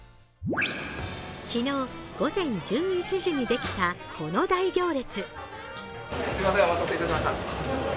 昨日、午前１１時にできたこの大行列。